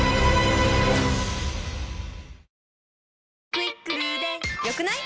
「『クイックル』で良くない？」